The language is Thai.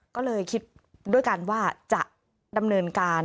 ก็เลยคิดด้วยกันว่าจะดำเนินการ